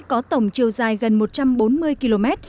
có tổng chiều dài gần một trăm bốn mươi km